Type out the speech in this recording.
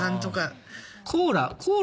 コーラ。